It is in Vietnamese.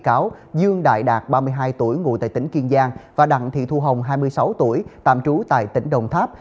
giáo dương đại đạt ba mươi hai tuổi ngồi tại tỉnh kiên giang và đặng thị thu hồng hai mươi sáu tuổi tạm trú tại tỉnh đồng tháp